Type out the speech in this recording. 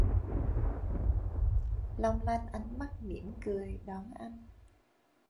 Long lanh ánh mắt mỉm cười...đón anh.